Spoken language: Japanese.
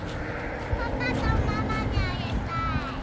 パパとママにあげたい。